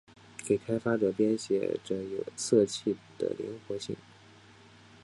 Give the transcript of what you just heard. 给开发者编写着色器的灵活性。